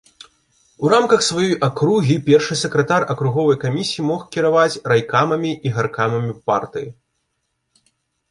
У рамках сваёй акругі першы сакратар акруговай камісіі мог кіраваць райкамамі і гаркамамі партыі.